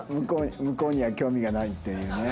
向こうには興味がないっていうね。